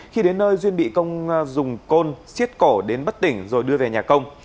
khi đến nơi duyên bị công dùng côn xiết cổ đến bất tỉnh rồi đưa về nhà công